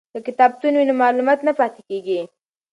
که کتابتون وي نو معلومات نه پاتیږي.